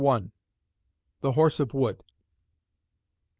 THE HORSE OF WOOD.